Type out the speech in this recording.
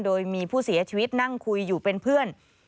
โดยมีผู้เสียชีวิตนั่งคุยอยู่เป็นเพื่อน